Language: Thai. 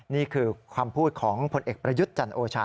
นี่คือคำพูดของผลเอกประยุทธ์จันโอชา